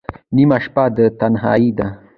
نیمه شپه ده تنهایی ده